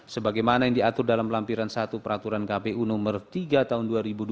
sebagaimana yang diatur dalam lampiran satu peraturan kpu nomor tiga tahun dua ribu dua puluh